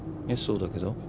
えっそうだけど。